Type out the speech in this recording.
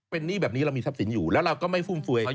เป็นหนี้แบบนี้เรามีทรัพย์สินอยู่แล้วเราก็ไม่ฟุ่มเฟย